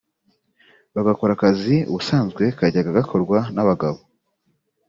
bagakora akazi ubusanzwe kajyaga gakorwa n’abagabo